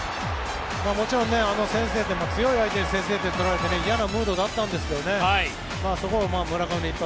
もちろん先制点も強い相手に先制点を取られて嫌なムードだったんですがそこを一発